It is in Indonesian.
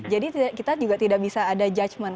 jadi kita juga tidak bisa ada judgement